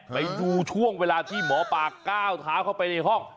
ไปดูช่วงเวลาที่หมอปลาก้าวเท้าเข้าไปในห้อง